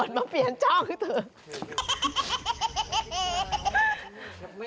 หยิบลิมอทมาออกเปลี่ยนช่องนี่แหละ